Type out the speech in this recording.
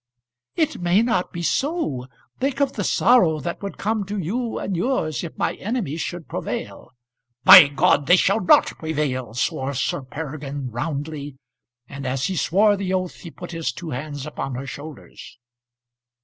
"It may not be so. Think of the sorrow that would come to you and yours, if my enemies should prevail." "By they shall not prevail!" swore Sir Peregrine, roundly; and as he swore the oath he put his two hands upon her shoulders.